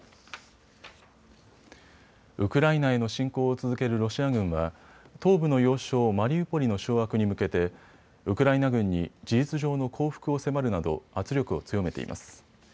ウクライナへの侵攻を続けるロシア軍は東部の要衝マリウポリの掌握に向けてウクライナ軍に事実上の降伏を迫るなど圧力を強めています。